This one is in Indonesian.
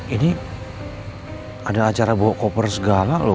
ini ada acara bawa koper segala loh